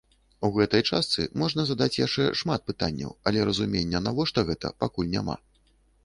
У гэтай частцы можна задаць яшчэ шмат пытанняў, але разумення, навошта гэта, пакуль няма.